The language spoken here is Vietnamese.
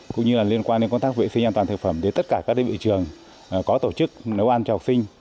cũng như liên quan đến công tác vệ sinh an toàn thực phẩm để tất cả các địa vị trường có tổ chức nấu ăn cho học sinh